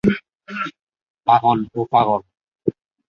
পাগল ও পাগল।